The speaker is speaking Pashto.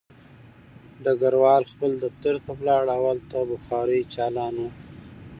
ډګروال خپل دفتر ته لاړ او هلته بخاري چالان وه